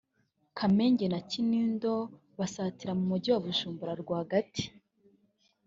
Kamenge na Kinindo basatira mu mujyi wa Bujumbura rwa hagati